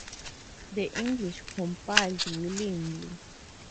The English complied willingly.